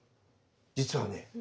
実はね